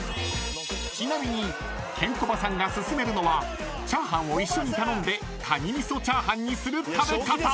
［ちなみにケンコバさんが勧めるのはチャーハンを一緒に頼んで蟹味噌チャーハンにする食べ方］